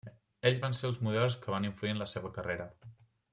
Ells van ser els models que van influir en la seva carrera.